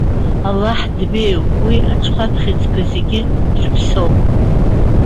Аллаҳ дбеиоуп, уи аҽхәаԥхьыӡқәа зегьы дрыԥсоуп.